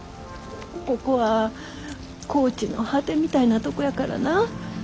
ここは高知の果てみたいなとこやからな。